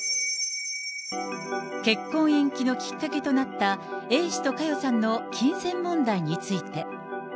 結婚延期のきっかけとなった、Ａ氏と佳代さんの金銭問題について。